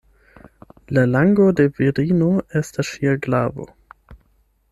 La lango de virino estas ŝia glavo.